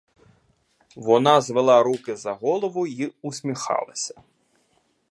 Вона звела руки за голову й усміхалася.